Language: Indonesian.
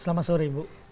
selamat sore ibu